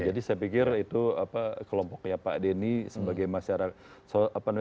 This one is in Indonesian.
jadi saya pikir itu kelompoknya pak deni sebagai masyarakat